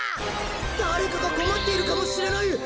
だれかがこまっているかもしれない。